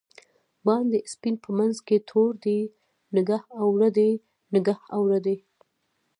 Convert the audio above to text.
باندی سپین په منځ کی تور دی، نګه اوردی؛ نګه اوردی